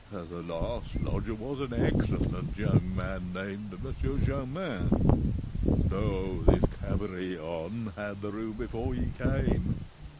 The last lodger was an excellent young man named M. Germain. No, this Cabrion had the room before he came.